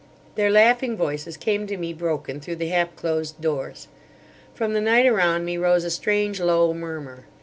Their laughing voices came to me broken through the half closed doors. From the night around me rose a strange low murmur.